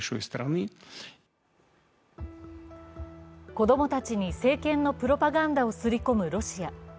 子供たちに政権のプロパガンダをすり込むロシア。